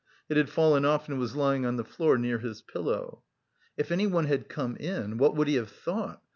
It had fallen off and was lying on the floor near his pillow. "If anyone had come in, what would he have thought?